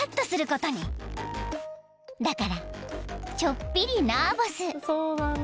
［だからちょっぴりナーバス］